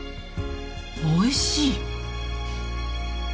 おいしい！